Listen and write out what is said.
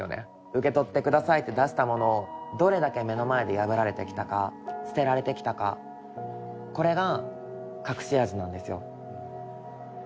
受け取ってくださいって出したものをどれだけ目の前で破られてきたか捨てられてきたかこれが。